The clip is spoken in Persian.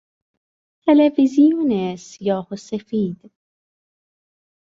تلویزیون سیاه و سفید